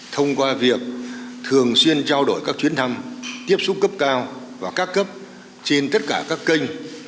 thông qua việc thường xuyên trao đổi các chuyến thăm tiếp xúc cấp cao và các cấp trên tất cả các kênh